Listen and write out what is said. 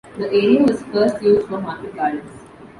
The area was first used for market gardens.